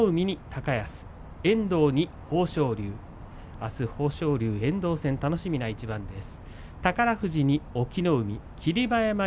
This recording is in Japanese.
あす、豊昇龍、遠藤戦楽しみな一番です。